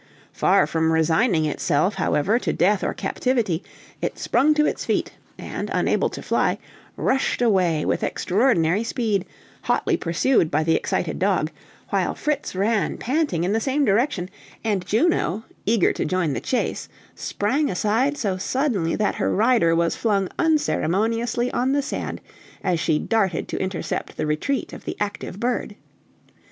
Far from resigning itself, however, to death or captivity, it sprung to its feet, and, unable to fly, rushed away with extraordinary speed, hotly pursued by the excited dog, while Fritz ran, panting, in the same direction, and Juno, eager to join the chase, sprang aside so suddenly that her rider was flung unceremoniously on the sand, as she darted to intercept the retreat of the active bird.